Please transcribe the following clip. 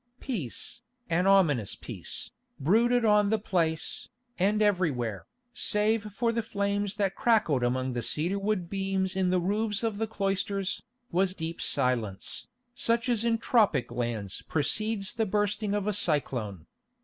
Peace, an ominous peace, brooded on the place, and everywhere, save for the flames that crackled among the cedar wood beams in the roofs of the cloisters, was deep silence, such as in tropic lands precedes the bursting of a cyclone.